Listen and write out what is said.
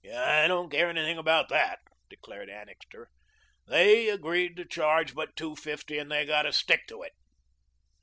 "I don't care anything about that," declared Annixter. "They agreed to charge but two fifty, and they've got to stick to it."